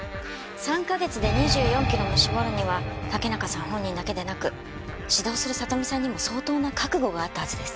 ３カ月で２４キロも絞るには竹中さん本人だけでなく指導する里美さんにも相当な覚悟があったはずです。